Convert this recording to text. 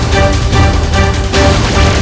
kau akan menang